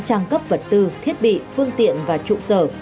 trang cấp vật tư thiết bị phương tiện và trụ sở